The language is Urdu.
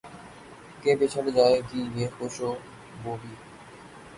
کہ بچھڑ جائے گی یہ خوش بو بھی